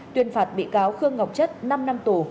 tuyên phạt bị cáo khương ngọc chất năm năm tù